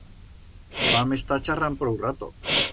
Vam estar charrand prou rato.